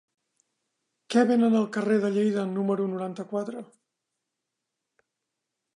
Què venen al carrer de Lleida número noranta-quatre?